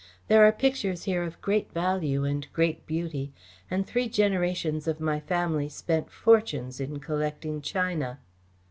There are pictures here of great value and great beauty, and three generations of my family spent fortunes in collecting china."